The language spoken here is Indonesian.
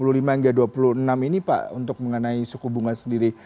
dua puluh lima hingga dua puluh enam ini pak untuk mengenai suku bunga sendiri